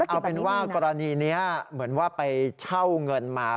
เอาเป็นว่ากรณีนี้เหมือนว่าไปเช่าเงินมา